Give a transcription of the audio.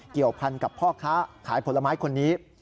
เกี่ยวพันกับพ่อค้าขายผลไม้คนนี้